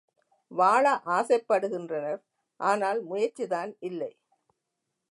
வாழ ஆசைப்படுகின்றனர் ஆனால் முயற்சிதான் இல்லை.